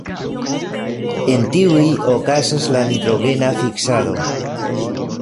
En tiuj okazas la nitrogena fiksado.